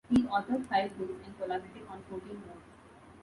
He authored five books and collaborated on fourteen more.